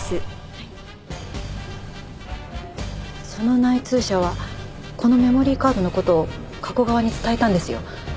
その内通者はこのメモリーカードの事を加古川に伝えたんですよ。